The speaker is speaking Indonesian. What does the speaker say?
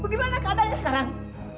bagaimana keadaannya sekarang